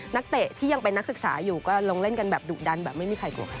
นักเตะที่ยังเป็นนักศึกษาอยู่ก็ลงเล่นกันแบบดุดันแบบไม่มีใครกลัวใคร